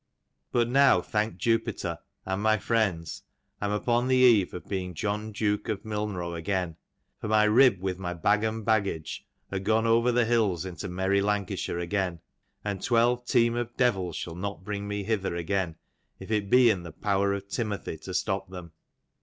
But now thank Jupiter, and my friends, I'm upon the eve of being John Duke of Milnrow again; for my rib with my bag and baggage, are gone over the hills into merry Lancashire again, and twelve team of devils shall not bring me hither again, if it be in the power of TiMOTHr to stop them.